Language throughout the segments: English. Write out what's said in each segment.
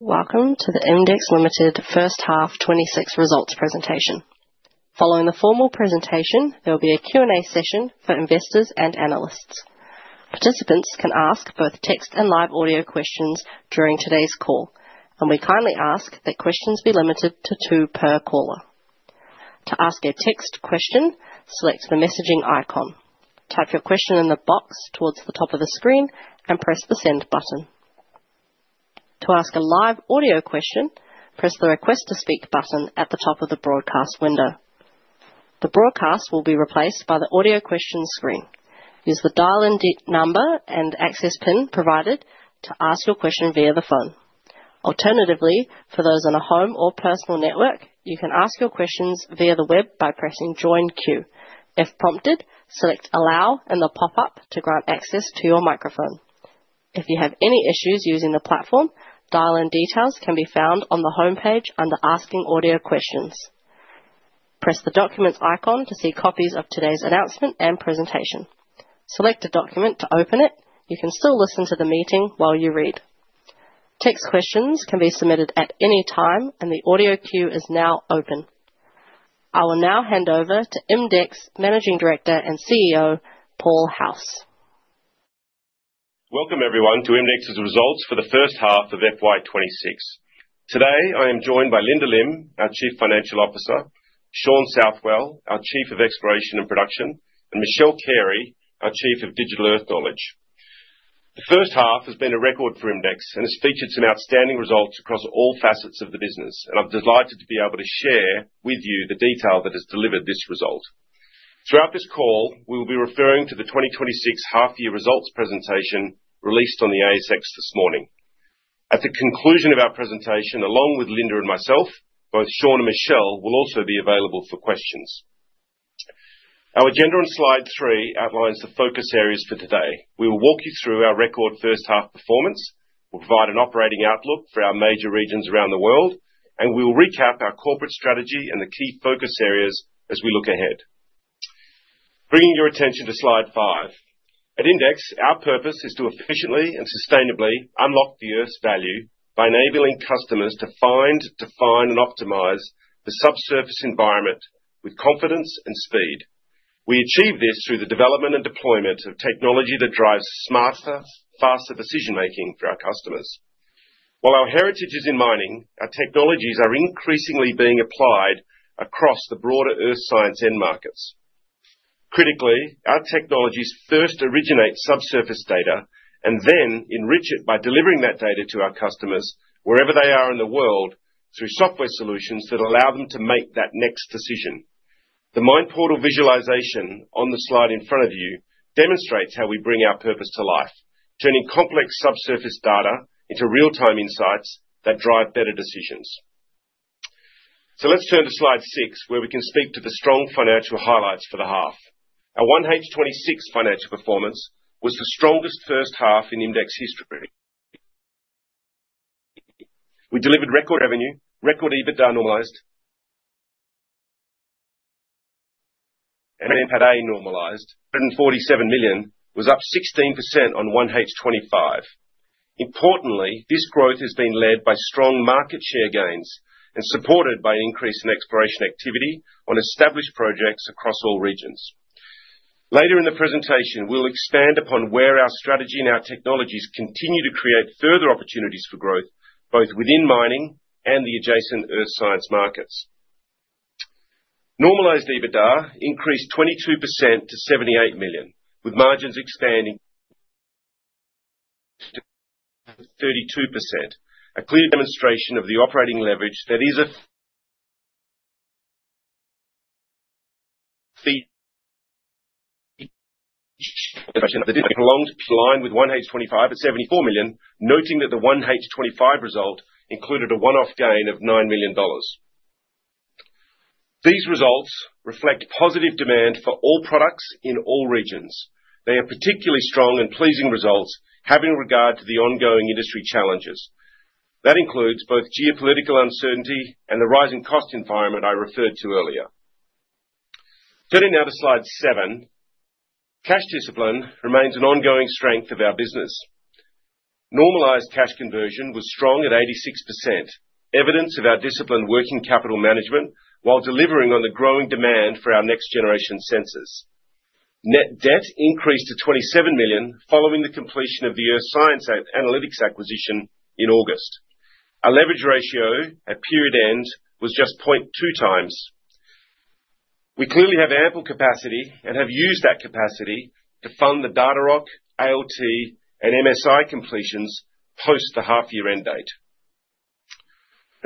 Welcome to the IMDEX Limited first half 2026 results presentation. Following the formal presentation, there will be a Q&A session for investors and analysts. Participants can ask both text and live audio questions during today's call, and we kindly ask that questions be limited to two per caller. To ask a text question, select the messaging icon. Type your question in the box towards the top of the screen and press the Send button. To ask a live audio question, press the Request to Speak button at the top of the broadcast window. The broadcast will be replaced by the audio question screen. Use the dial-in number and access pin provided to ask your question via the phone. Alternatively, for those on a home or personal network, you can ask your questions via the web by pressing Join Queue. If prompted, select Allow and the popup to grant access to your microphone. If you have any issues using the platform, dial-in details can be found on the homepage under Asking Audio Questions. Press the documents icon to see copies of today's announcement and presentation. Select a document to open it. You can still listen to the meeting while you read. Text questions can be submitted at any time, and the audio queue is now open. I will now hand over to IMDEX Managing Director and CEO, Paul House. Welcome, everyone, to IMDEX's results for the first half of FY 2026. Today, I am joined by Linda Lim, our Chief Financial Officer, Shaun Southwell, our Chief of Exploration and Production, and Michelle Carey, our Chief of Digital Earth Knowledge. The first half has been a record for IMDEX and has featured some outstanding results across all facets of the business. I'm delighted to be able to share with you the detail that has delivered this result. Throughout this call, we will be referring to the 2026 half year results presentation, released on the ASX this morning. At the conclusion of our presentation, along with Linda and myself, both Shaun and Michelle will also be available for questions. Our agenda on slide three outlines the focus areas for today. We will walk you through our record first half performance. We'll provide an operating outlook for our major regions around the world. We will recap our corporate strategy and the key focus areas as we look ahead. Bringing your attention to slide five. At IMDEX, our purpose is to efficiently and sustainably unlock the Earth's value by enabling customers to find, define, and optimize the subsurface environment with confidence and speed. We achieve this through the development and deployment of technology that drives smarter, faster decision-making for our customers. While our heritage is in mining, our technologies are increasingly being applied across the broader earth science end markets. Critically, our technologies first originate subsurface data and then enrich it by delivering that data to our customers wherever they are in the world, through software solutions that allow them to make that next decision. The MinePortal visualization on the slide in front of you demonstrates how we bring our purpose to life, turning complex subsurface data into real-time insights that drive better decisions. Let's turn to slide six, where we can speak to the strong financial highlights for the half. Our 1H 2026 financial performance was the strongest first half in IMDEX history. We delivered record revenue, record EBITDA normalized, and NPATA normalised. 47 million was up 16% on 1H 2025. Importantly, this growth has been led by strong market share gains and supported by an increase in exploration activity on established projects across all regions. Later in the presentation, we'll expand upon where our strategy and our technologies continue to create further opportunities for growth, both within mining and the adjacent earth science markets. Normalized EBITDA increased 22% to 78 million, with margins expanding to 32%. A clear demonstration of the operating leverage that is along the line with 1H25 at 74 million, noting that the 1H25 result included a one-off gain of 9 million dollars. These results reflect positive demand for all products in all regions. They are particularly strong and pleasing results, having regard to the ongoing industry challenges. That includes both geopolitical uncertainty and the rising cost environment I referred to earlier. Turning now to slide seven, cash discipline remains an ongoing strength of our business. Normalized cash conversion was strong at 86%, evidence of our disciplined working capital management, while delivering on the growing demand for our next generation sensors. Net debt increased to 27 million, following the completion of the Earth Science Analytics acquisition in August. Our leverage ratio at period end was just 0.2 times. We clearly have ample capacity and have used that capacity to fund the Datarock, IoT, and MSI completions post the half year end date.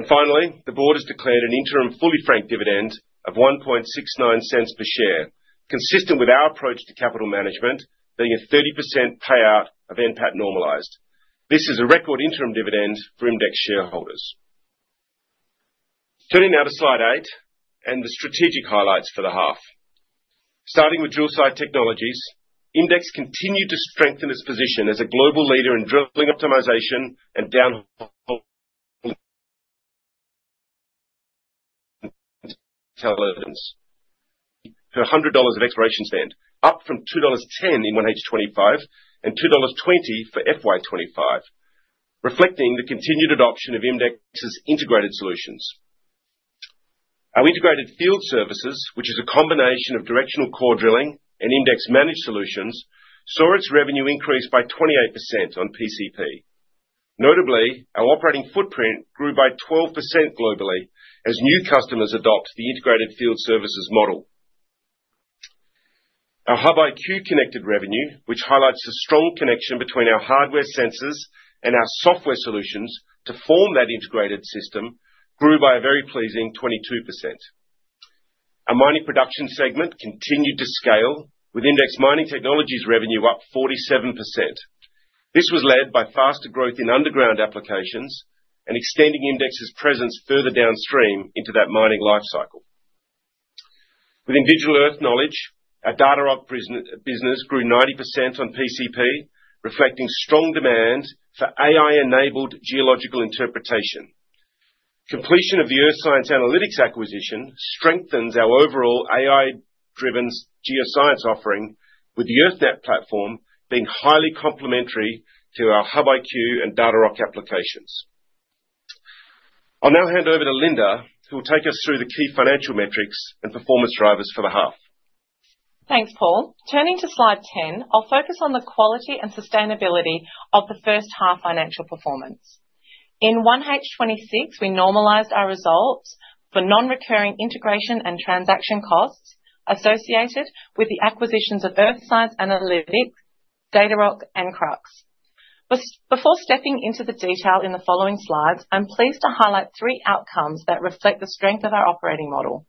Finally, the board has declared an interim fully franked dividend of 0.0169 per share, consistent with our approach to capital management, being a 30% payout of NPAT normalized. This is a record interim dividend for IMDEX shareholders. Turning now to slide eight and the strategic highlights for the half. Starting with Drill Site Technologies, IMDEX continued to strengthen its position as a global leader in drilling optimization per 100 dollars of exploration spend, up from AUD 2.10 in 1H 2025, and 2.20 dollars for FY 2025, reflecting the continued adoption of IMDEX's integrated solutions. Our integrated field services, which is a combination of directional core drilling and Imdex Managed Solutions, saw its revenue increase by 28% on PCP. Notably, our operating footprint grew by 12% globally as new customers adopt the integrated field services model. Our HUB-IQ connected revenue, which highlights the strong connection between our hardware sensors and our software solutions to form that integrated system, grew by a very pleasing 22%. Our mining production segment continued to scale, with IMDEX Mining Technologies revenue up 47%. This was led by faster growth in underground applications and extending IMDEX's presence further downstream into that mining life cycle. Within Digital Earth Knowledge, our Datarock business grew 90% on PCP, reflecting strong demand for AI-enabled geological interpretation. Completion of the Earth Science Analytics acquisition strengthens our overall AI-driven geoscience offering, with the EarthNET platform being highly complementary to our HUB-IQ and Datarock applications. I'll now hand over to Linda, who will take us through the key financial metrics and performance drivers for the half. Thanks, Paul. Turning to slide 10, I'll focus on the quality and sustainability of the first half financial performance. In 1H 2026, we normalized our results for non-recurring integration and transaction costs associated with the acquisitions of Earth Science Analytics, Datarock, and Krux. Before stepping into the detail in the following slides, I'm pleased to highlight three outcomes that reflect the strength of our operating model.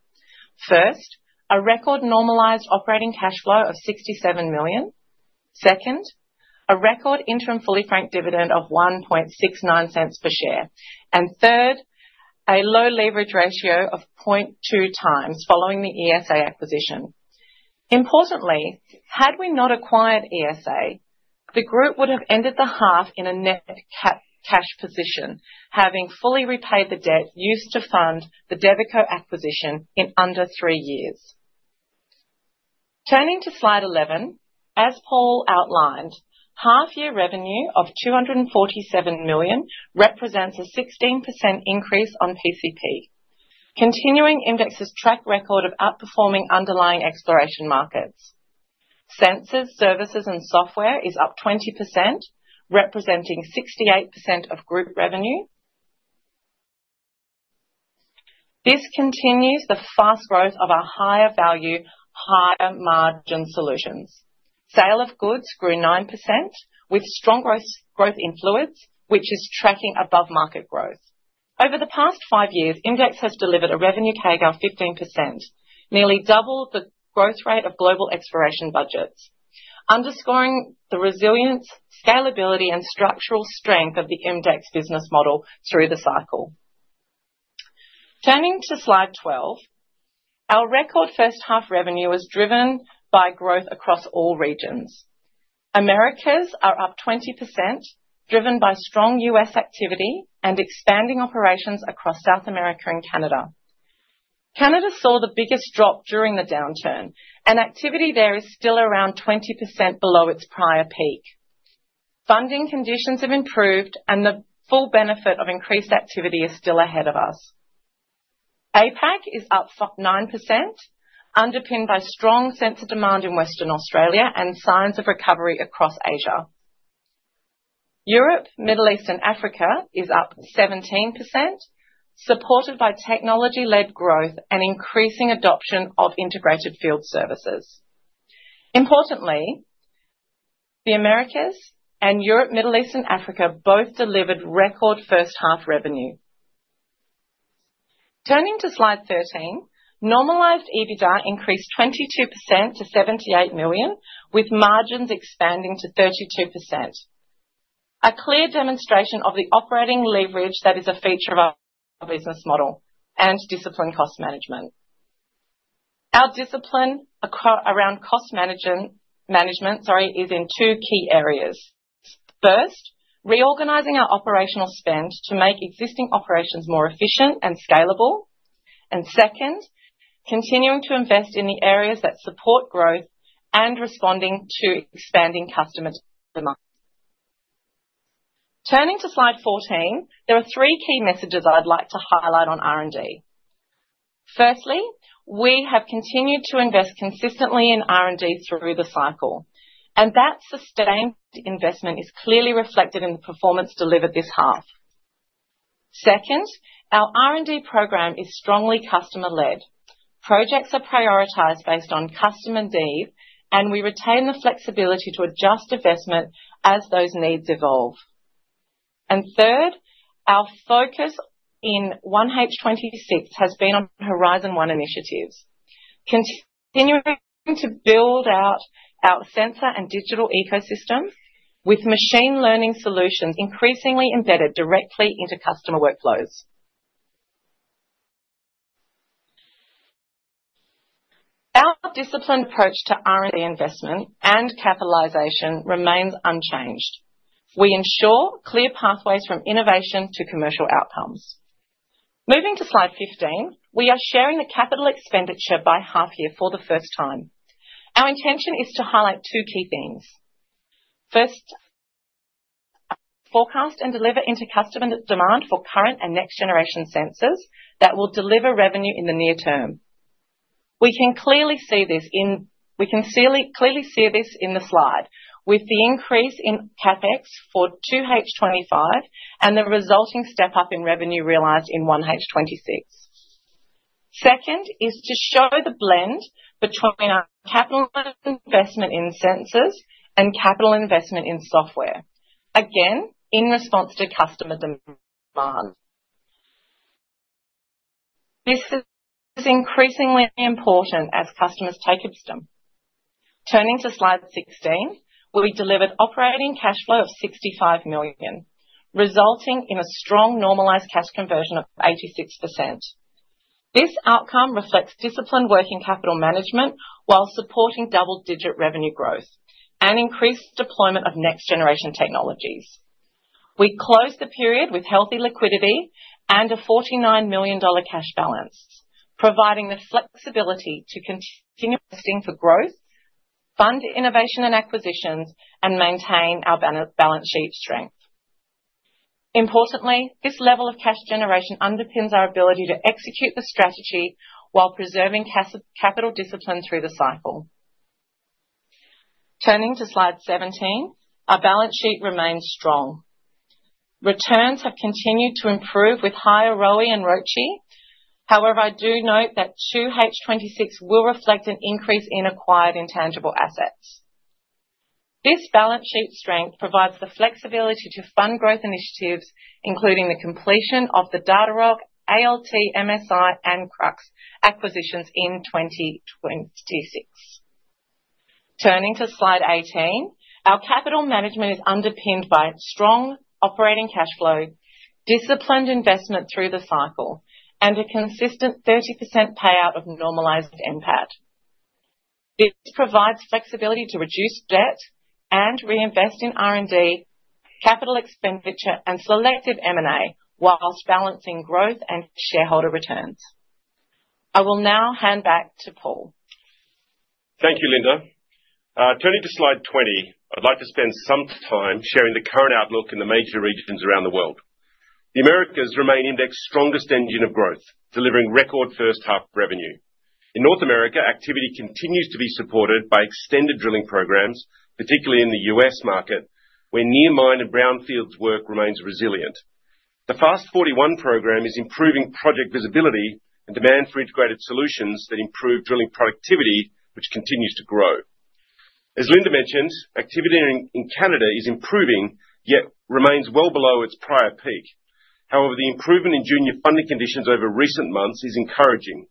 First, a record normalized operating cash flow of 67 million. Second, a record interim fully franked dividend of 0.0169 per share. Third, a low leverage ratio of 0.2 times following the ESA acquisition. Importantly, had we not acquired ESA, the group would have ended the half in a net cash position, having fully repaid the debt used to fund the Devico acquisition in under three years. Turning to slide 11, as Paul outlined, half-year revenue of 247 million represents a 16% increase on PCP, continuing IMDEX's track record of outperforming underlying exploration markets. Sensors, services and software is up 20%, representing 68% of group revenue. This continues the fast growth of our higher value, higher margin solutions. Sale of goods grew 9%, with strong growth in fluids, which is tracking above market growth. Over the past five years, IMDEX has delivered a revenue CAGR of 15%, nearly double the growth rate of global exploration budgets, underscoring the resilience, scalability and structural strength of the IMDEX business model through the cycle. Turning to slide 12, our record first half revenue was driven by growth across all regions. Americas are up 20%, driven by strong US activity and expanding operations across South America and Canada. Canada saw the biggest drop during the downturn. Activity there is still around 20% below its prior peak. Funding conditions have improved. The full benefit of increased activity is still ahead of us. APAC is up 9%, underpinned by strong sensor demand in Western Australia and signs of recovery across Asia. Europe, Middle East and Africa is up 17%, supported by technology-led growth and increasing adoption of integrated field services. Importantly, the Americas and Europe, Middle East and Africa both delivered record first half revenue. Turning to slide 13, normalized EBITDA increased 22% to 78 million, with margins expanding to 32%. A clear demonstration of the operating leverage that is a feature of our business model and disciplined cost management. Our discipline around cost management, sorry, is in two key areas. First, reorganizing our operational spend to make existing operations more efficient and scalable. Second, continuing to invest in the areas that support growth and responding to expanding customer demand. Turning to slide 14, there are three key messages I'd like to highlight on R&D. Firstly, we have continued to invest consistently in R&D through the cycle, and that sustained investment is clearly reflected in the performance delivered this half. Second, our R&D program is strongly customer-led. Projects are prioritized based on customer need, and we retain the flexibility to adjust investment as those needs evolve. Third, our focus in 1H FY26 has been on Horizon 1 initiatives, continuing to build out our sensor and digital ecosystems with machine learning solutions increasingly embedded directly into customer workflows. Our disciplined approach to R&D investment and capitalization remains unchanged. We ensure clear pathways from innovation to commercial outcomes. Moving to Slide 15, we are sharing the capital expenditure by half-year for the first time. Our intention is to highlight 2 key things: First, forecast and deliver into customer demand for current and next-generation sensors that will deliver revenue in the near term. We can clearly, clearly see this in the slide, with the increase in CapEx for 2H 2025, the resulting step-up in revenue realized in 1H 2026. Second, is to show the blend between our capital investment in sensors and capital investment in software. Again, in response to customer demand. This is increasingly important as customers take up them. Turning to Slide 16, where we delivered operating cash flow of 65 million, resulting in a strong normalized cash conversion of 86%. This outcome reflects disciplined working capital management while supporting double-digit revenue growth and increased deployment of next generation technologies. We closed the period with healthy liquidity and a $49 million cash balance, providing the flexibility to continue investing for growth, fund innovation and acquisitions, and maintain our balance sheet strength. Importantly, this level of cash generation underpins our ability to execute the strategy while preserving capital discipline through the cycle. Turning to Slide 17, our balance sheet remains strong. Returns have continued to improve with higher ROE and ROCE. However, I do note that 2H 2026 will reflect an increase in acquired intangible assets. This balance sheet strength provides the flexibility to fund growth initiatives, including the completion of the Datarock, ALT, MSI, and Krux acquisitions in 2026. Turning to Slide 18, our capital management is underpinned by strong operating cash flow, disciplined investment through the cycle, and a consistent 30% payout of normalized NPAT. This provides flexibility to reduce debt and reinvest in R&D, capital expenditure, and selected M&A, while balancing growth and shareholder returns. I will now hand back to Paul. Thank you, Linda. Turning to Slide 20, I'd like to spend some time sharing the current outlook in the major regions around the world. The Americas remain IMDEX's strongest engine of growth, delivering record first half revenue. In North America, activity continues to be supported by extended drilling programs, particularly in the U.S. market, where near mine and brownfields work remains resilient. The FAST-41 program is improving project visibility and demand for integrated solutions that improve drilling productivity, which continues to grow. As Linda mentioned, activity in Canada is improving, yet remains well below its prior peak. However, the improvement in junior funding conditions over recent months is encouraging.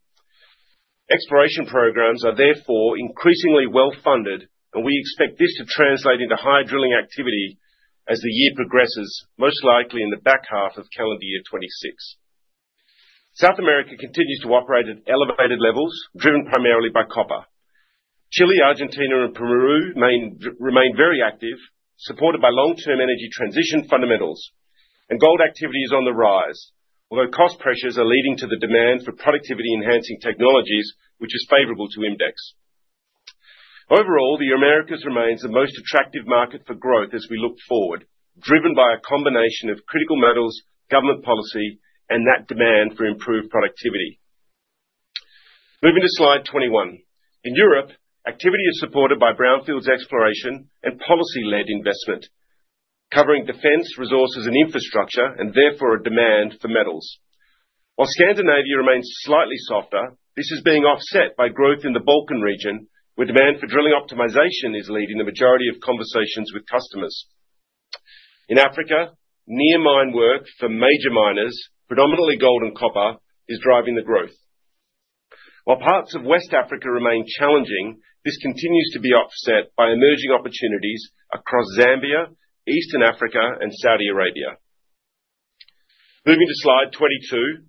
Exploration programs are therefore increasingly well-funded, and we expect this to translate into higher drilling activity as the year progresses, most likely in the back half of calendar year 2026. South America continues to operate at elevated levels, driven primarily by copper. Chile, Argentina, and Peru remain very active, supported by long-term energy transition fundamentals, and gold activity is on the rise, although cost pressures are leading to the demand for productivity-enhancing technologies, which is favorable to IMDEX. Overall, the Americas remains the most attractive market for growth as we look forward, driven by a combination of critical metals, government policy, and that demand for improved productivity. Moving to Slide 21. In Europe, activity is supported by brownfields exploration and policy-led investment, covering defense, resources, and infrastructure, and therefore a demand for metals. While Scandinavia remains slightly softer, this is being offset by growth in the Balkan region, where demand for drilling optimization is leading the majority of conversations with customers. In Africa, near mine work for major miners, predominantly gold and copper, is driving the growth. While parts of West Africa remain challenging, this continues to be offset by emerging opportunities across Zambia, Eastern Africa, and Saudi Arabia. Moving to Slide 22,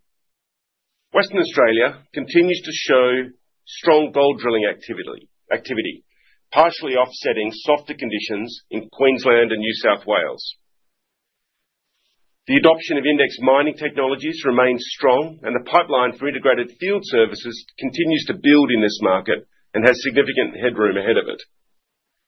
Western Australia continues to show strong gold drilling activity, partially offsetting softer conditions in Queensland and New South Wales. The adoption of IMDEX Mining Technologies remains strong, and the pipeline for integrated field services continues to build in this market and has significant headroom ahead of it.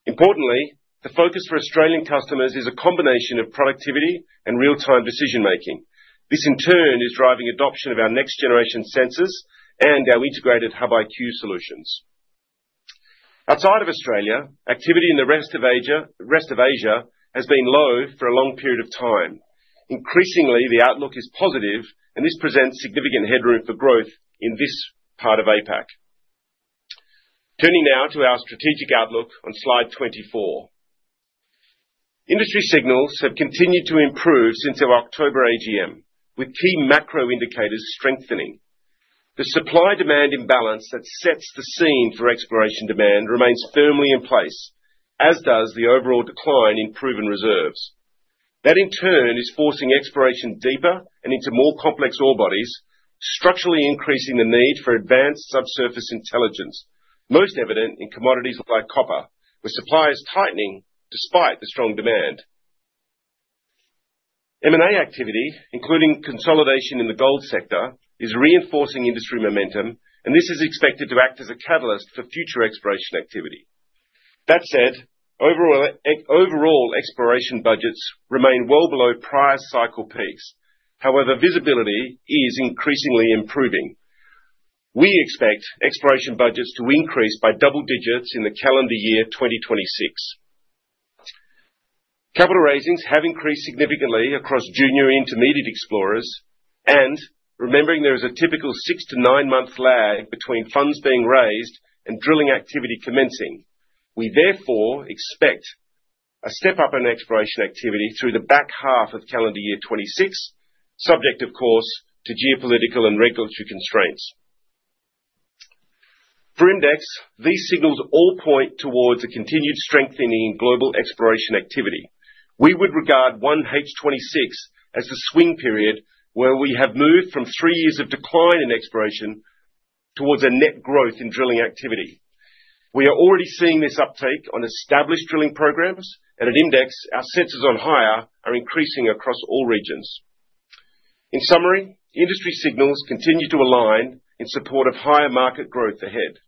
Importantly, the focus for Australian customers is a combination of productivity and real-time decision-making. This, in turn, is driving adoption of our next generation sensors and our integrated HUB-IQ solutions. Outside of Australia, activity in the rest of Asia has been low for a long period of time. Increasingly, the outlook is positive, and this presents significant headroom for growth in this part of APAC. Turning now to our strategic outlook on Slide 24. Industry signals have continued to improve since our October AGM, with key macro indicators strengthening. The supply-demand imbalance that sets the scene for exploration demand remains firmly in place, as does the overall decline in proven reserves. That in turn, is forcing exploration deeper and into more complex ore bodies, structurally increasing the need for advanced subsurface intelligence, most evident in commodities like copper, where supply is tightening despite the strong demand. M&A activity, including consolidation in the gold sector, is reinforcing industry momentum, and this is expected to act as a catalyst for future exploration activity. That said, overall exploration budgets remain well below prior cycle peaks. However, visibility is increasingly improving. We expect exploration budgets to increase by double digits in the calendar year, 2026. Capital raisings have increased significantly across junior intermediate explorers, remembering there is a typical six to nine month lag between funds being raised and drilling activity commencing. We therefore expect a step up in exploration activity through the back half of calendar year 2026, subject, of course, to geopolitical and regulatory constraints. For IMDEX, these signals all point towards a continued strengthening in global exploration activity. We would regard 1H 2026 as the swing period, where we have moved from three years of decline in exploration towards a net growth in drilling activity. We are already seeing this uptake on established drilling programs, at IMDEX, our sensors on hire are increasing across all regions. In summary, industry signals continue to align in support of higher market growth ahead.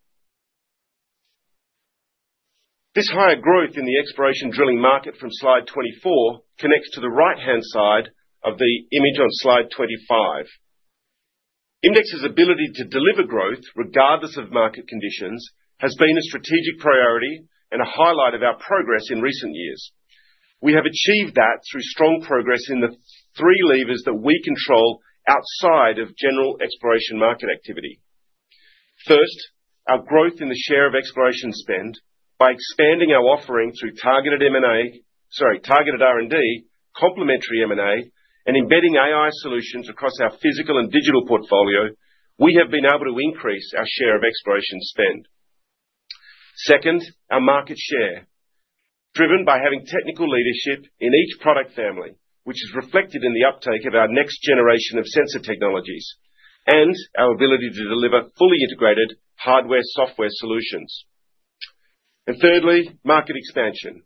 This higher growth in the exploration drilling market from slide 24 connects to the right-hand side of the image on slide 25. IMDEX's ability to deliver growth regardless of market conditions, has been a strategic priority and a highlight of our progress in recent years. We have achieved that through strong progress in the three levers that we control outside of general exploration market activity. First, our growth in the share of exploration spend by expanding our offering through targeted M&A, Sorry, targeted R&D, complementary M&A, and embedding AI solutions across our physical and digital portfolio, we have been able to increase our share of exploration spend. Second, our market share. Driven by having technical leadership in each product family, which is reflected in the uptake of our next generation of sensor technologies and our ability to deliver fully integrated hardware, software solutions. Thirdly, market expansion,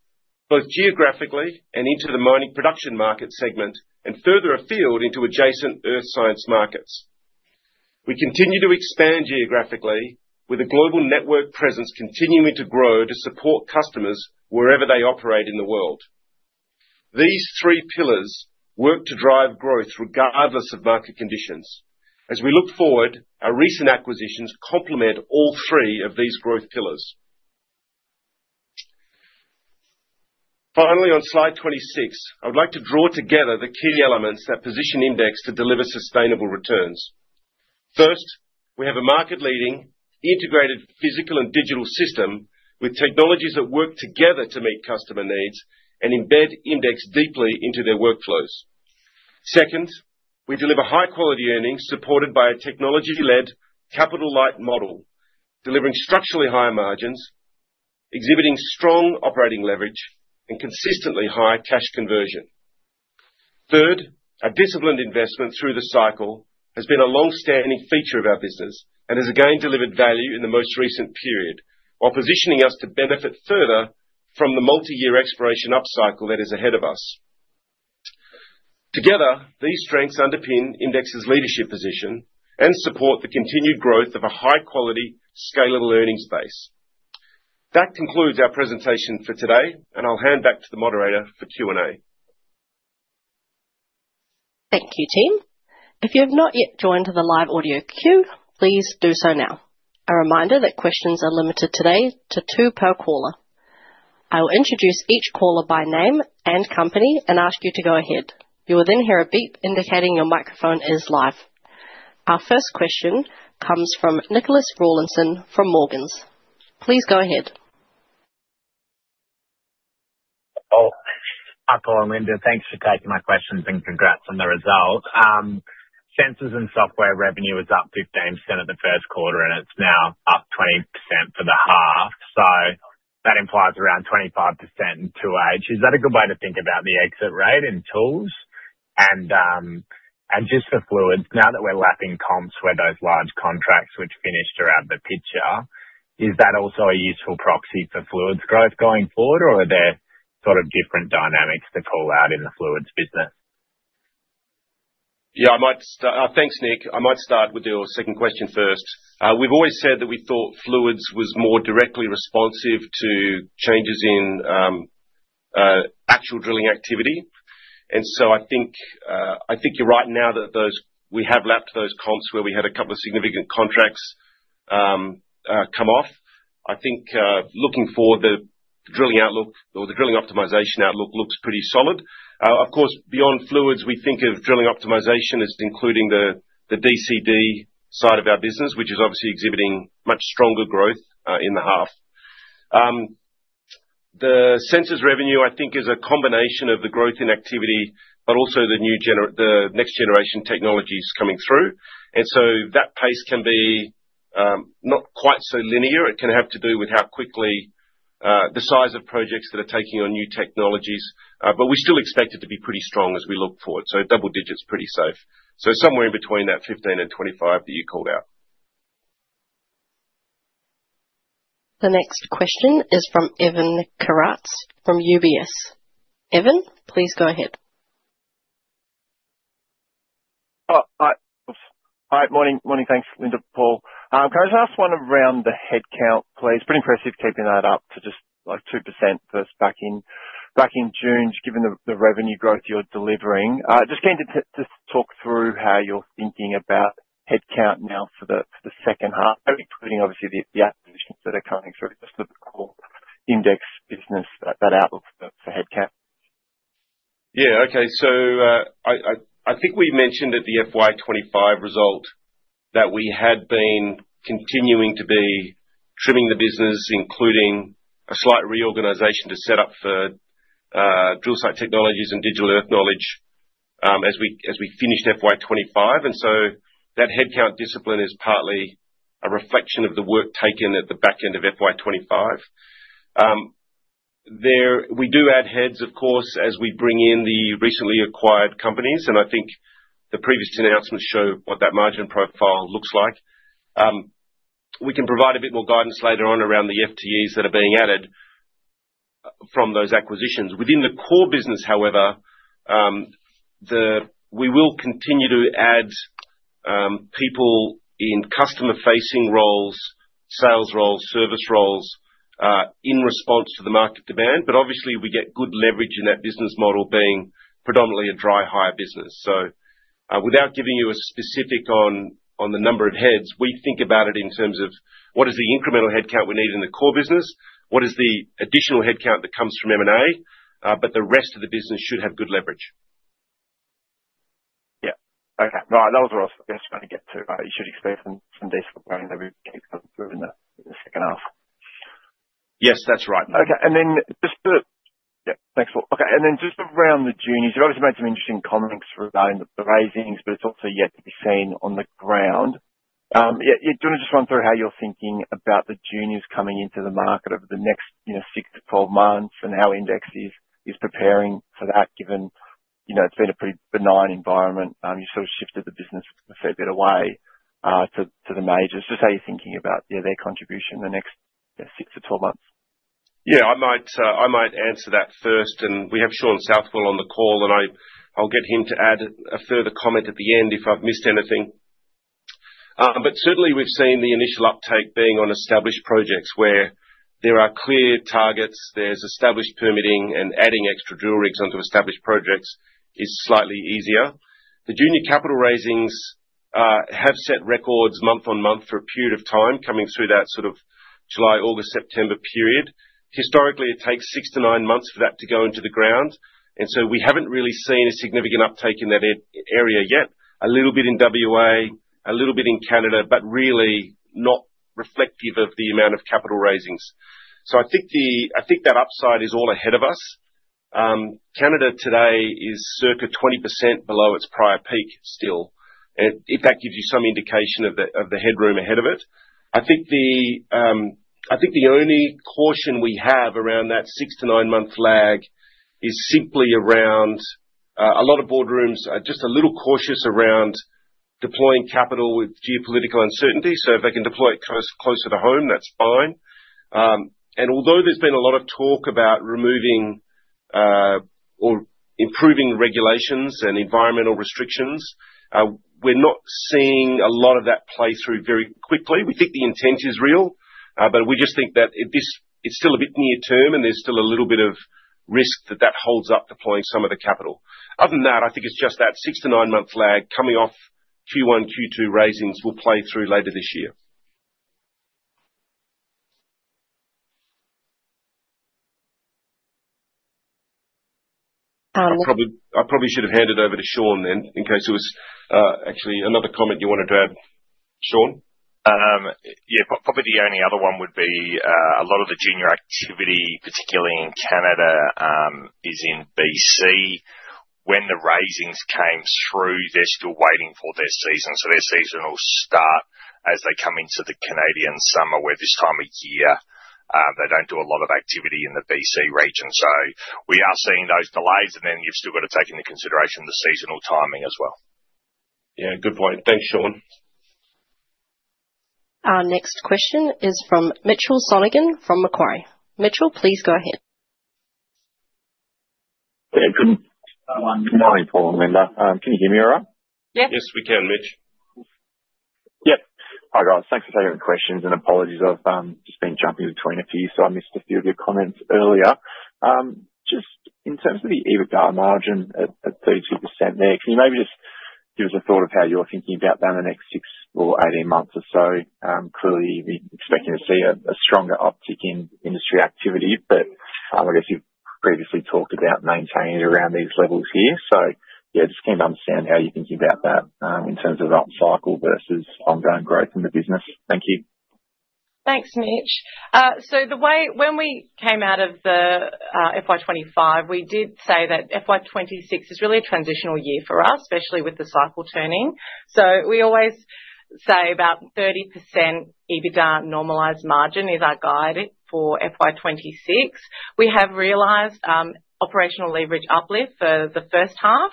both geographically and into the mining production market segment, and further afield into adjacent earth science markets. We continue to expand geographically, with a global network presence continuing to grow to support customers wherever they operate in the world. These three pillars work to drive growth regardless of market conditions. As we look forward, our recent acquisitions complement all three of these growth pillars. Finally, on slide 26, I would like to draw together the key elements that position IMDEX to deliver sustainable returns. First, we have a market leading, integrated physical and digital system, with technologies that work together to meet customer needs and embed IMDEX deeply into their workflows. Second, we deliver high quality earnings supported by a technology-led, capital-light model, delivering structurally higher margins, exhibiting strong operating leverage and consistently high cash conversion. Third, our disciplined investment through the cycle has been a long-standing feature of our business and has again, delivered value in the most recent period, while positioning us to benefit further from the multi-year exploration upcycle that is ahead of us. Together, these strengths underpin IMDEX's leadership position and support the continued growth of a high quality, scalable earnings base. That concludes our presentation for today, and I'll hand back to the moderator for Q&A. Thank you, team. If you have not yet joined the live audio queue, please do so now. A reminder that questions are limited today to two per caller. I will introduce each caller by name and company and ask you to go ahead. You will then hear a beep indicating your microphone is live. Our first question comes from Nicholas Rawlinson from Morgans. Please go ahead. Oh, Paul and Linda, thanks for taking my questions and congrats on the results. sensors and software revenue is up 15% in the Q1, and it's now up 20% for the half. That implies around 25% in 2H. Is that a good way to think about the exit rate and tools? just for fluids, now that we're lapsing comps where those large contracts which finished around the PCP, are, is that also a useful proxy for fluids growth going forward, or are there sort of different dynamics to call out in the fluids business? Yeah, I might, thanks, Nick. I might start with your second question first. We've always said that we thought fluids was more directly responsive to changes in actual drilling activity. So I think, I think you're right now that those-- We have lapped those comps where we had a couple of significant contracts come off. I think, looking for the drilling outlook or the drilling optimization outlook looks pretty solid. Of course, beyond fluids, we think of drilling optimization as including the, the DCD side of our business, which is obviously exhibiting much stronger growth in the half. The sensors revenue, I think, is a combination of the growth in activity, but also the next generation technologies coming through. So that pace can be...... not quite so linear. It can have to do with how quickly, the size of projects that are taking on new technologies. We still expect it to be pretty strong as we look forward. Double digits, pretty safe. Somewhere in between that 15 and 25 that you called out. The next question is from Evan Karatzas from UBS. Evan, please go ahead. All right, morning. Morning. Thanks, Linda, Paul. Can I just ask one around the headcount, please? Pretty impressive keeping that up to just, like, 2% versus back in, back in June, just given the, the revenue growth you're delivering. Just came to talk through how you're thinking about headcount now for the, for the second half, including obviously the, the acquisitions that are coming through, just the core IMDEX business, that, that outlook for, for headcount. Yeah. Okay. I, I, I think we mentioned at the FY25 result that we had been continuing to be trimming the business, including a slight reorganization to set up for Drill Site Technologies and Digital Earth Knowledge, as we, as we finished FY25. That headcount discipline is partly a reflection of the work taken at the back end of FY25. There, we do add heads, of course, as we bring in the recently acquired companies, and I think the previous announcements show what that margin profile looks like. We can provide a bit more guidance later on around the FTEs that are being added from those acquisitions. Within the core business, however, We will continue to add people in customer-facing roles, sales roles, service roles, in response to the market demand. Obviously, we get good leverage in that business model being predominantly a dry hire business. Without giving you a specific on, on the number of heads, we think about it in terms of what is the incremental headcount we need in the core business? What is the additional headcount that comes from M&A? The rest of the business should have good leverage. Yeah. Okay. No, that was what I was just trying to get to. You should expect some, some decent growth as we keep coming through in the, the second half. Yes, that's right. Okay. And then just the... Yeah, thanks, Paul. Okay, then just around the juniors, you've obviously made some interesting comments regarding the, the raisings, but it's also yet to be seen on the ground. Yeah, do you want to just run through how you're thinking about the juniors coming into the market over the next, you know, six to 12 months, and how IMDEX is, is preparing for that, given, you know, it's been a pretty benign environment. You sort of shifted the business a fair bit away, to, to the majors. Just how you're thinking about, yeah, their contribution in the next, you know, six to 12 months? Yeah, I might, I might answer that first, and we have Shaun Southwell on the call, and I, I'll get him to add a further comment at the end if I've missed anything. Certainly we've seen the initial uptake being on established projects where there are clear targets, there's established permitting, and adding extra drill rigs onto established projects is slightly easier. The junior capital raisings, have set records month on month for a period of time, coming through that sort of July, August, September period. Historically, it takes six to nine months for that to go into the ground, and so we haven't really seen a significant uptake in that area yet. A little bit in WA, a little bit in Canada, but really not reflective of the amount of capital raisings. I think the, I think that upside is all ahead of us. Canada today is circa 20% below its prior peak, still. If that gives you some indication of the, of the headroom ahead of it. I think the only caution we have around that six to nine month lag is simply around a lot of boardrooms are just a little cautious around deploying capital with geopolitical uncertainty. If they can deploy it close, closer to home, that's fine. Although there's been a lot of talk about removing, or improving the regulations and environmental restrictions, we're not seeing a lot of that play through very quickly. We think the intent is real, but we just think that this is still a bit near term, and there's still a little bit of risk that that holds up deploying some of the capital. Other than that, I think it's just that six to nine month lag coming off Q1, Q2 raisings will play through later this year. Um- I probably, I probably should have handed over to Shaun then, in case there was, actually another comment you wanted to add, Shaun? Yeah, probably the only other one would be, a lot of the junior activity, particularly in Canada, is in BC. When the raisings came through, they're still waiting for their season. Their season will start as they come into the Canadian summer, where this time of year, they don't do a lot of activity in the BC region. We are seeing those delays, and then you've still got to take into consideration the seasonal timing as well. Yeah, good point. Thanks, Shaun. Our next question is from Mitchell Sonogan from Macquarie. Mitchell, please go ahead. Good morning, Paul and Linda. Can you hear me all right? Yeah. Yes, we can, Mitch. Yep. Hi, guys. Thanks for taking the questions, and apologies. I've just been jumping between a few, so I missed a few of your comments earlier. Just in terms of the EBITDA margin at 32% there, can you maybe just give us a thought of how you're thinking about that in the next six or 18 months or so? Clearly, we're expecting to see a stronger uptick in industry activity, but I guess you've previously talked about maintaining it around these levels here. Yeah, just came to understand how you're thinking about that in terms of upcycle versus ongoing growth in the business. Thank you. Thanks, Mitch. When we came out of the FY25, we did say that FY26 is really a transitional year for us, especially with the cycle turning. We always say about 30% EBITDA normalized margin is our guide for FY26. We have realized operational leverage uplift for the first half,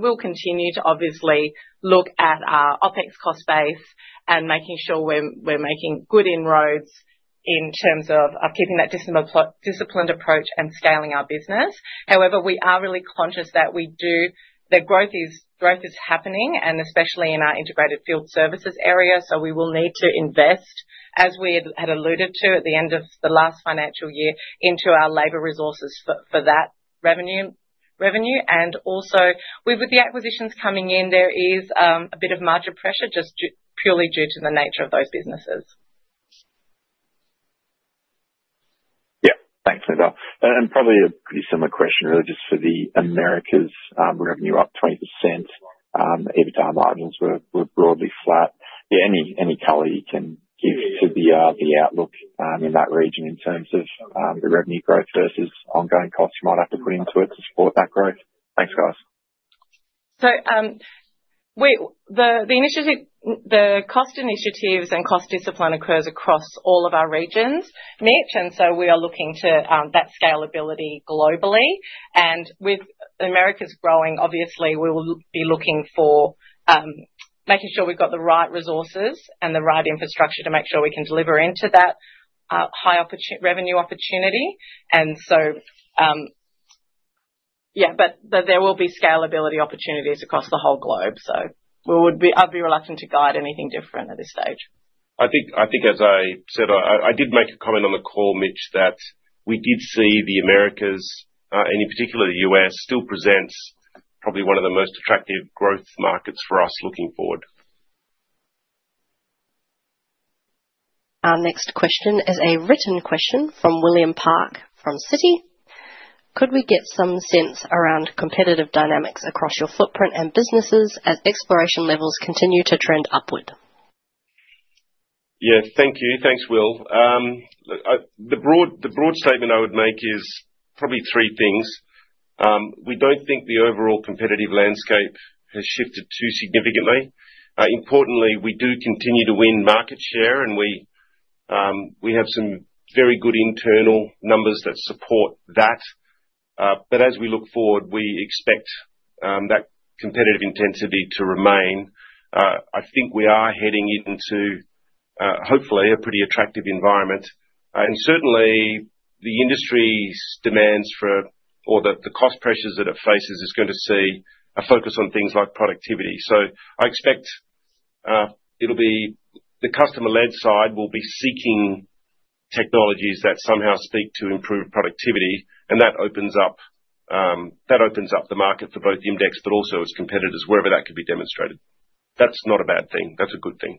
we'll continue to obviously look at our OpEx cost base and making sure we're making good inroads in terms of keeping that disciplined approach and scaling our business. However, we are really conscious that we do that growth is happening, especially in our integrated field services area, we will need to invest, as we had alluded to at the end of the last financial year, into our labor resources for that revenue. Also, with, with the acquisitions coming in, there is a bit of margin pressure just purely due to the nature of those businesses. Yeah. Thanks, Linda. Probably a pretty similar question, really, just for the Americas, revenue up 20%, EBITDA margins were broadly flat. Yeah, any color you can give to the outlook in that region in terms of the revenue growth versus ongoing costs you might have to put into it to support that growth? Thanks, guys. The cost initiatives and cost discipline occurs across all of our regions, Mitch. We are looking to that scalability globally. With the Americas growing, obviously, we will be looking for making sure we've got the right resources and the right infrastructure to make sure we can deliver into that high revenue opportunity. Yeah, but there will be scalability opportunities across the whole globe. I'd be reluctant to guide anything different at this stage. I think, I think as I said, I, I did make a comment on the call, Mitch, that we did see the Americas, and in particular, the US, still presents probably one of the most attractive growth markets for us, looking forward. Our next question is a written question from William Park, from Citi. Could we get some sense around competitive dynamics across your footprint and businesses, as exploration levels continue to trend upward? Yeah. Thank you. Thanks, Will. The broad, the broad statement I would make is probably three things. We don't think the overall competitive landscape has shifted too significantly. Importantly, we do continue to win market share, and we, we have some very good internal numbers that support that. As we look forward, we expect that competitive intensity to remain. I think we are heading into, hopefully, a pretty attractive environment, and certainly the industry's demands for... or the, the cost pressures that it faces, is going to see a focus on things like productivity. I expect it'll be, the customer-led side will be seeking technologies that somehow speak to improved productivity, and that opens up, that opens up the market for both IMDEX, but also its competitors, wherever that can be demonstrated. That's not a bad thing. That's a good thing.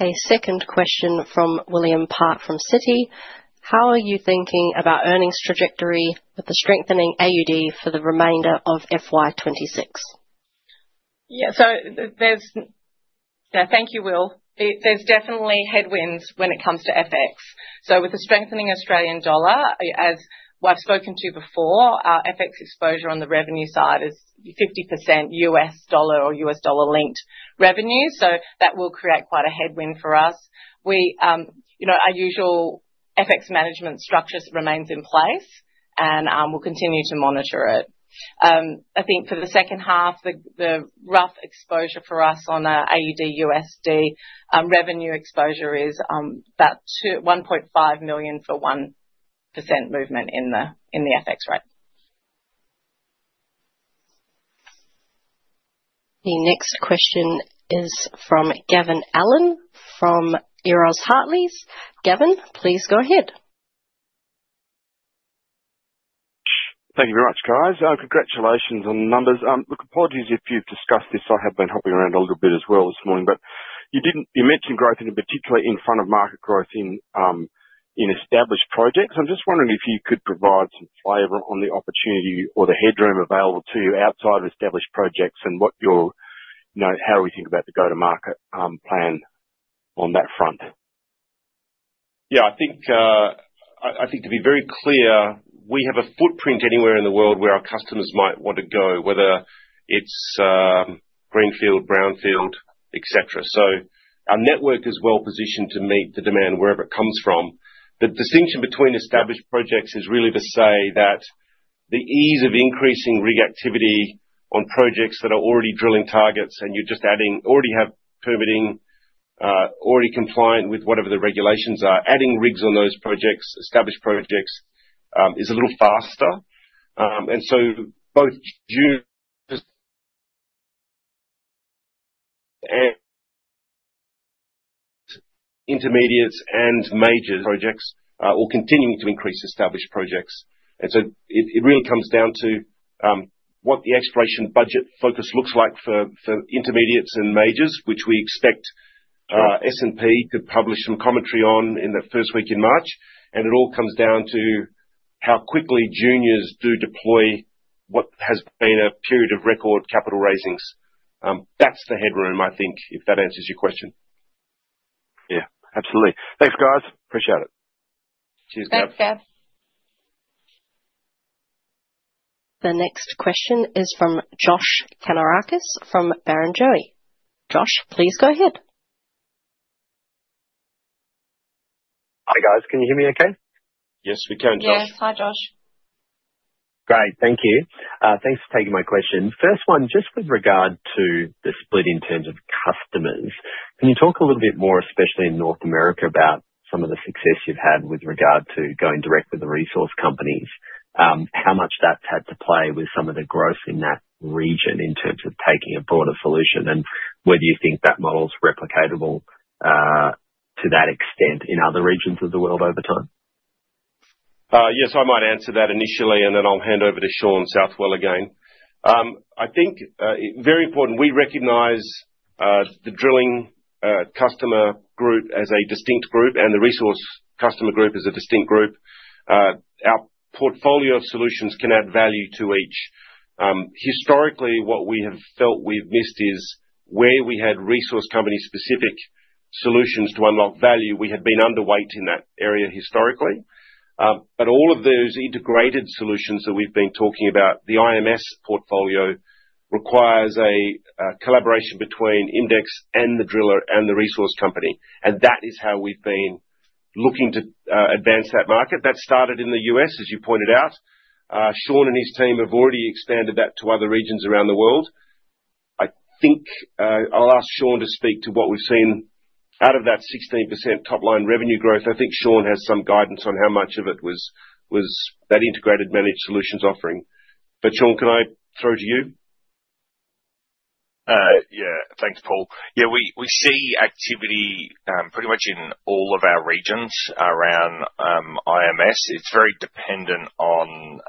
A second question from William Park, from Citi: How are you thinking about earnings trajectory with the strengthening AUD for the remainder of FY26? Yeah, thank you, Will. There's definitely headwinds when it comes to FX. With the strengthening Australian dollar, as we've spoken to before, our FX exposure on the revenue side is 50% U.S. dollar or U.S. dollar-linked revenue, so that will create quite a headwind for us. We, you know, our usual FX management structures remains in place, and we'll continue to monitor it. I think for the second half, the rough exposure for us on AUDUSD revenue exposure is about $1.5 million for 1% movement in the FX rate. The next question is from Gavin Allen, from Euroz Hartleys. Gavin, please go ahead. Thank you very much, guys. Congratulations on the numbers. Look, apologies if you've discussed this. I have been hopping around a little bit as well this morning, but you didn't-- you mentioned growth, and in particular, in front of market growth in, in established projects. I'm just wondering if you could provide some flavor on the opportunity or the headroom available to you outside of established projects, and what your-- you know, how we think about the go-to-market, plan on that front? Yeah, I think, I think to be very clear, we have a footprint anywhere in the world where our customers might want to go, whether it's greenfield, brownfield, et cetera. Our network is well positioned to meet the demand, wherever it comes from. The distinction between established projects is really to say that the ease of increasing rig activity on projects that are already drilling targets, and you're just adding already have permitting, already compliant with whatever the regulations are, adding rigs on those projects, established projects, is a little faster. And so both June... and intermediates and major projects, will continue to increase established projects. It, it really comes down to what the exploration budget focus looks like for, for intermediates and majors, which we expect S&P to publish some commentary on in the first week in March. It all comes down to how quickly juniors do deploy what has been a period of record capital raisings. That's the headroom, I think, if that answers your question. Yeah, absolutely. Thanks, guys. Appreciate it. Cheers, Gav. Thanks, Gav. The next question is from Josh Kannourakis from Barrenjoey. Josh, please go ahead. Hi, guys. Can you hear me okay? Yes, we can, Josh. Yes. Hi, Josh. Great, thank you. Thanks for taking my question. First one, just with regard to the split in terms of customers, can you talk a little bit more, especially in North America, about some of the success you've had with regard to going direct with the resource companies? How much that's had to play with some of the growth in that region, in terms of taking a broader solution, and whether you think that model is replicatable to that extent in other regions of the world over time? Yes, I might answer that initially, and then I'll hand over to Shaun Southwell again. I think, very important, we recognize, the drilling, customer group as a distinct group and the resource customer group as a distinct group. Our portfolio of solutions can add value to each. Historically, what we have felt we've missed is, where we had resource company-specific solutions to unlock value, we had been underweight in that area historically. All of those integrated solutions that we've been talking about, the IMS portfolio, requires a, collaboration between IMDEX and the driller and the resource company. That is how we've been looking to, advance that market. That started in the U.S., as you pointed out. Shaun and his team have already expanded that to other regions around the world. I think, I'll ask Shaun to speak to what we've seen out of that 16% top line revenue growth. I think Shaun has some guidance on how much of it was, was that integrated Managed Solutions offering. Shaun, can I throw to you? Yeah. Thanks, Paul. Yeah, we, we see activity pretty much in all of our regions around IMS. It's very dependent on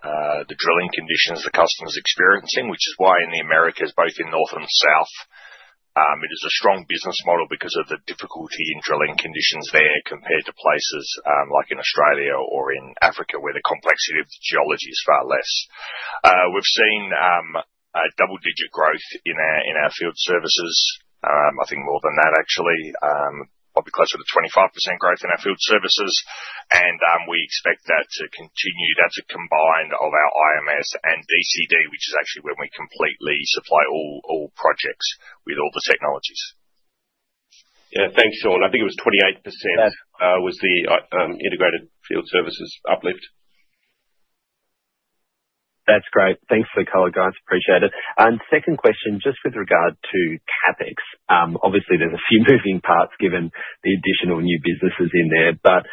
the drilling conditions the customer's experiencing, which is why in the Americas, both in North and South, it is a strong business model because of the difficulty in drilling conditions there, compared to places like in Australia or in Africa, where the complexity of the geology is far less. We've seen a double-digit growth in our field services. I think more than that, actually. Probably closer to 25% growth in our field services. We expect that to continue. That's a combined of our IMS and DCD, which is actually where we completely supply all, all projects with all the technologies. Yeah. Thanks, Shaun. I think it was 28%- Yes. was the integrated field services uplift. That's great. Thanks for the color, guys. Appreciate it. Second question, just with regard to CapEx. Obviously, there's a few moving parts, given the additional new businesses in there, but,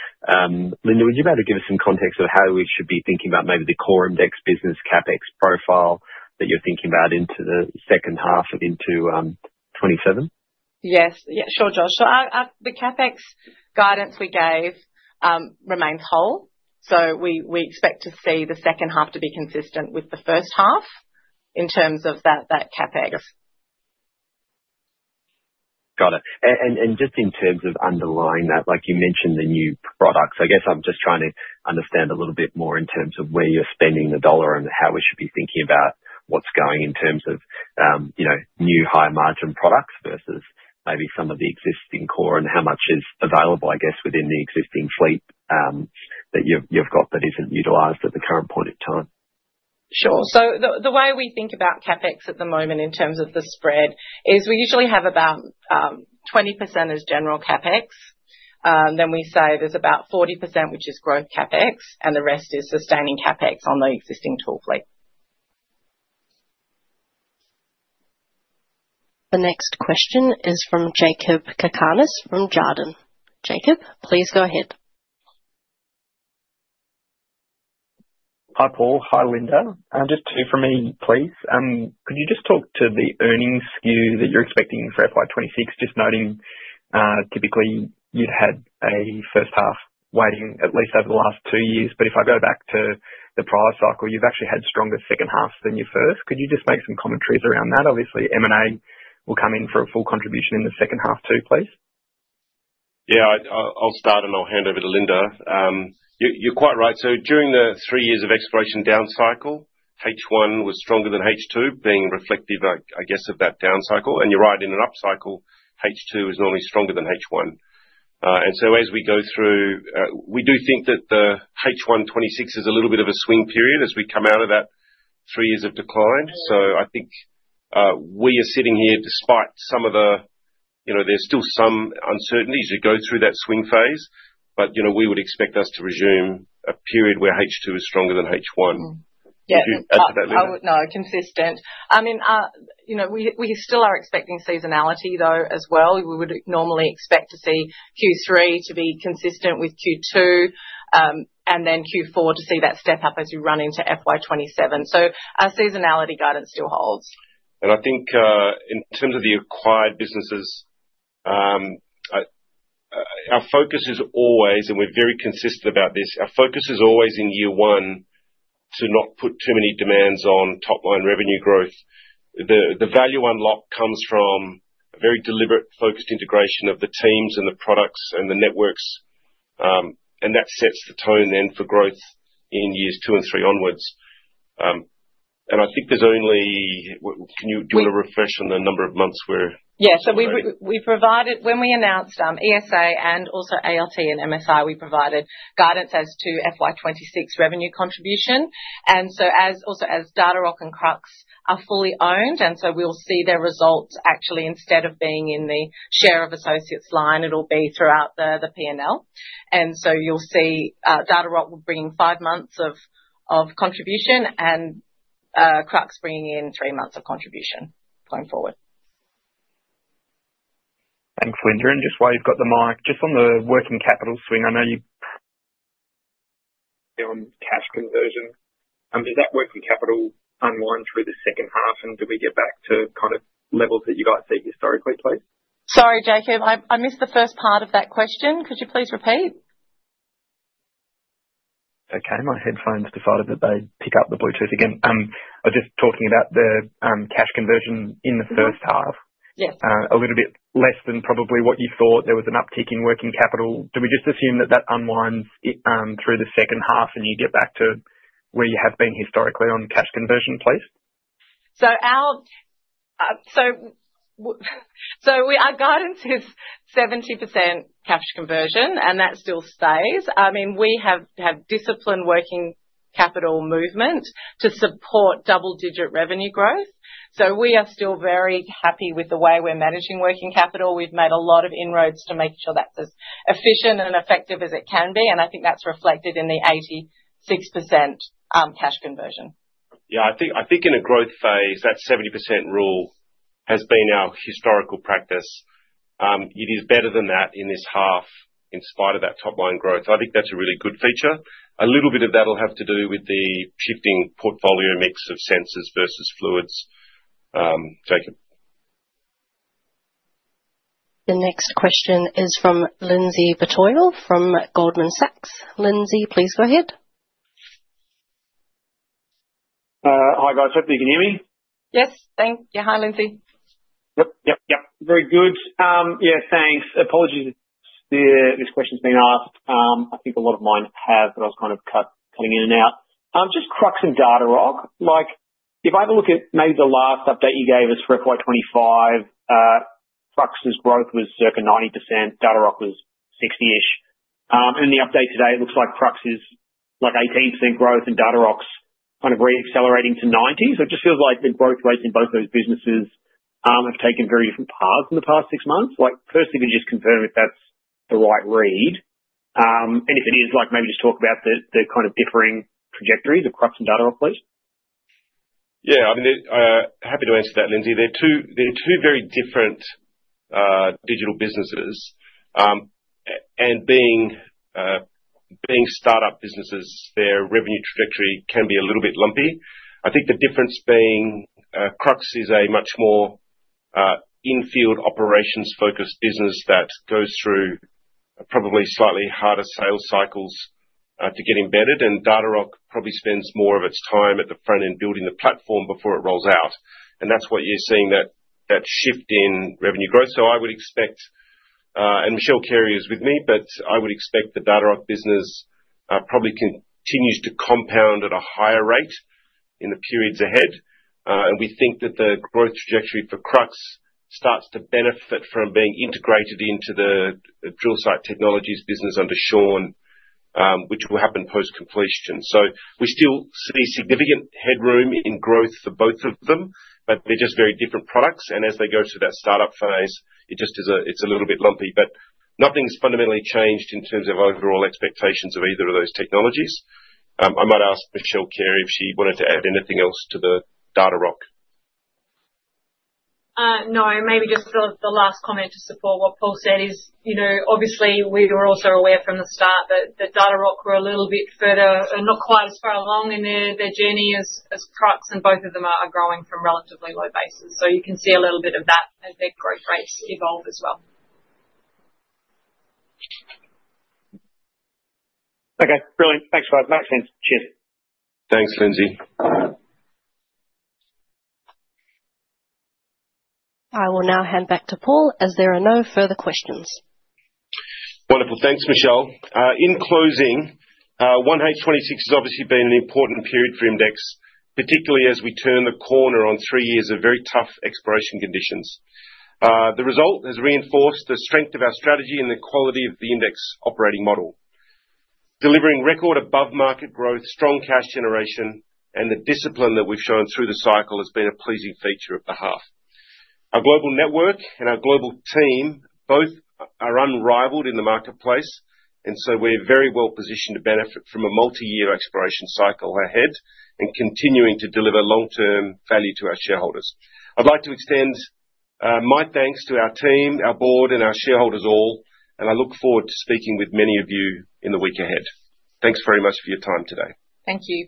Linda, would you be able to give us some context of how we should be thinking about maybe the core IMDEX business CapEx profile that you're thinking about into the second half and into 2027? Yes. Yeah, sure, Josh. So our, the CapEx guidance we gave, remains whole. So we, we expect to see the 2nd half to be consistent with the first half, in terms of that, that CapEx. Got it. Just in terms of underlying that, like you mentioned, the new products, I guess I'm just trying to understand a little bit more in terms of where you're spending the dollar, and how we should be thinking about what's going in terms of, you know, new higher margin products versus maybe some of the existing core. How much is available, I guess, within the existing fleet, that you've, you've got, that isn't utilized at the current point in time? Sure. The way we think about CapEx at the moment, in terms of the spread, is we usually have about 20% as general CapEx. Then we say there's about 40%, which is growth CapEx, and the rest is sustaining CapEx on the existing tool fleet. The next question is from Jakob Cakarnis, from Jarden. Jakob, please go ahead. Hi, Paul. Hi, Linda. Just two from me, please. Could you just talk to the earnings skew that you're expecting for FY26? Just noting, typically, you'd had a first half weighting, at least over the last two years, but if I go back to the prior cycle, you've actually had stronger second halves than your first. Could you just make some commentaries around that? Obviously, M&A will come in for a full contribution in the second half, too, please. Yeah, I'll start, and I'll hand over to Linda. You're quite right. During the three years of exploration downcycle, H1 was stronger than H2, being reflective, I guess, of that downcycle. You're right, in an upcycle, H2 is normally stronger than H1. As we go through, we do think that the H1 2026 is a little bit of a swing period as we come out of that three years of decline. Mm-hmm. I think, we are sitting here despite some of the. You know, there's still some uncertainty as you go through that swing phase, but, you know, we would expect us to resume a period where H2 is stronger than H1. Mm-hmm. Yeah. Would you add to that, Linda? No, consistent. I mean, you know, we, we still are expecting seasonality, though, as well. We would normally expect to see Q3 to be consistent with Q2, and then Q4 to see that step up as we run into FY27. Our seasonality guidance still holds. I think, in terms of the acquired businesses, our focus is always, and we're very consistent about this, our focus is always in year one to not put too many demands on top line revenue growth. The value unlock comes from a very deliberate, focused integration of the teams and the products and the networks, and that sets the tone then for growth in years two and three onwards. I think there's only. Can you do a refresh on the number of months we're? Yeah. We provided, when we announced ESA and also ALT and MSI, we provided guidance as to FY26 revenue contribution. Also as Datarock and Krux are fully owned, and so we'll see their results actually, instead of being in the share of associates line, it'll be throughout the PNL. You'll see Datarock will bring five months of contribution and Krux bringing in three months of contribution going forward. Thanks, Linda. Just while you've got the mic, just on the working capital swing, I know you... On cash conversion, does that working capital unwind through the second half, and do we get back to, kind of, levels that you guys see historically, please? Sorry, Jakob, I missed the first part of that question. Could you please repeat? Okay. My headphones decided that they'd pick up the Bluetooth again. I was just talking about the cash conversion in the first half. Mm-hmm. Yes. A little bit less than probably what you thought. There was an uptick in working capital. Do we just assume that that unwinds, it, through the second half, and you get back to where you have been historically on cash conversion, please? Our guidance is 70% cash conversion. That still stays. I mean, we have, have disciplined working capital movement to support double-digit revenue growth. We are still very happy with the way we're managing working capital. We've made a lot of inroads to make sure that's as efficient and effective as it can be. I think that's reflected in the 86% cash conversion. Yeah, I think, I think in a growth phase, that 70% rule has been our historical practice. It is better than that in this half, in spite of that top line growth. I think that's a really good feature. A little bit of that will have to do with the shifting portfolio mix of sensors versus fluids, Jakob. The next question is from Lindsay Bettiol from Goldman Sachs. Lindsay, please go ahead. Hi, guys. Hope you can hear me. Yes. Thank you. Hi, Lindsay. Yep, yep, yep. Very good. Yeah, thanks. Apologies if this question's been asked. I think a lot of mine have, but I was kind of cut, coming in and out. Just Krux and Datarock. Like, if I have a look at maybe the last update you gave us for FY 25, Krux's growth was circa 90%, Datarock was 60-ish. In the update today, it looks like Krux is, like, 18% growth, and Datarock's kind of re-accelerating to 90. It just feels like the growth rates in both those businesses have taken very different paths in the past six months. Like, firstly, can you just confirm if that's the right read? And if it is, like, maybe just talk about the, the kind of differing trajectories of Krux and Datarock, please. Yeah, I mean, it... Happy to answer that, Lindsay. They're two, they're two very different digital businesses. Being, being startup businesses, their revenue trajectory can be a little bit lumpy. I think the difference being, Krux is a much more in-field operations focused business that goes through probably slightly harder sales cycles to get embedded, and Datarock probably spends more of its time at the front end, building the platform before it rolls out. That's what you're seeing, that, that shift in revenue growth. I would expect, and Michelle Carey is with me, but I would expect the Datarock business probably continues to compound at a higher rate in the periods ahead. We think that the growth trajectory for Krux starts to benefit from being integrated into the Drill Site Technologies business under Shaun, which will happen post-completion. We still see significant headroom in growth for both of them, but they're just very different products, and as they go through that startup phase, it's a little bit lumpy. Nothing's fundamentally changed in terms of overall expectations of either of those technologies. I might ask Michelle Carey if she wanted to add anything else to the Datarock. No. Maybe just the last comment to support what Paul said is, you know, obviously, we were also aware from the start that Datarock were a little bit further and not quite as far along in their journey as Krux, and both of them are growing from relatively low bases. You can see a little bit of that as their growth rates evolve as well. Okay, brilliant. Thanks a lot. Makes sense. Cheers. Thanks, Lindsay. I will now hand back to Paul, as there are no further questions. Wonderful. Thanks, Michelle. In closing, 1H FY26 has obviously been an important period for IMDEX, particularly as we turn the corner on three years of very tough exploration conditions. The result has reinforced the strength of our strategy and the quality of the IMDEX operating model. Delivering record above-market growth, strong cash generation, and the discipline that we've shown through the cycle, has been a pleasing feature of the half. Our global network and our global team both are unrivaled in the marketplace. So we're very well positioned to benefit from a multi-year exploration cycle ahead, and continuing to deliver long-term value to our shareholders. I'd like to extend my thanks to our team, our board, and our shareholders all. I look forward to speaking with many of you in the week ahead. Thanks very much for your time today. Thank you.